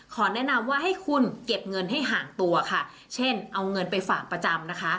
แนะนำว่าให้คุณเก็บเงินให้ห่างตัวค่ะเช่นเอาเงินไปฝากประจำนะคะ